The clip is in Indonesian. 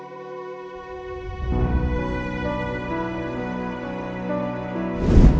aku juga percaya begitu aja